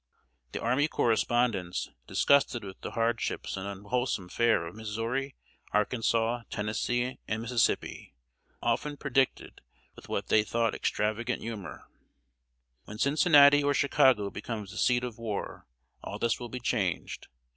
The army correspondents, disgusted with the hardships and unwholesome fare of Missouri, Arkansas, Tennessee, and Mississippi, often predicted, with what they thought extravagant humor: "When Cincinnati or Chicago becomes the seat of war, all this will be changed.